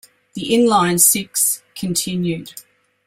The inline six continued.